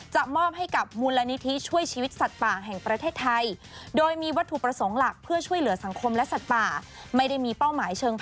มอบให้กับมูลนิธิช่วยชีวิตสัตว์ป่าแห่งประเทศไทย